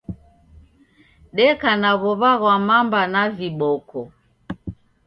Deka na w'ow'a ghwa mamba na viboko